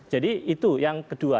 jadi itu yang kedua